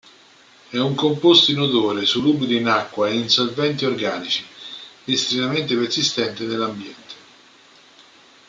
È un composto inodore, solubile in acqua e in solventi organici, estremamente persistente nell'ambiente.